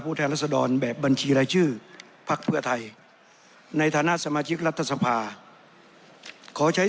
ผู้แทนรัฐศดรแบบบัญชีรายชื่อพักเพื่อไทยใน